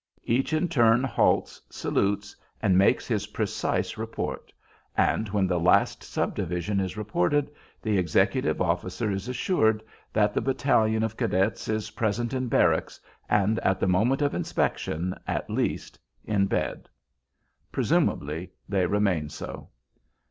Each in turn halts, salutes, and makes his precise report; and when the last subdivision is reported, the executive officer is assured that the battalion of cadets is present in barracks, and at the moment of inspection at least, in bed. Presumably, they remain so.